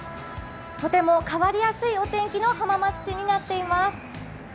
とても変わりやすいお天気の浜松市になっています。